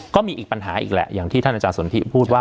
ก็มีอีกปัญหาอีกแหละอย่างที่ท่านอาจารย์สนทิพูดว่า